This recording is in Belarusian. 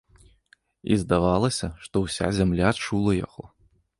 І здавалася, што ўся зямля чула яго.